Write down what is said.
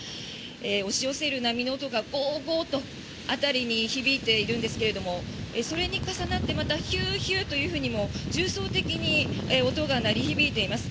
押し寄せる波の音が、ゴーゴーと辺りに響いているんですがそれに重なって、またヒューヒューというふうにも重層的に音が鳴り響いています。